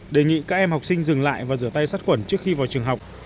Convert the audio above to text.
đề nghị các em học sinh dừng lại và rửa tay sát khuẩn trước khi vào trường học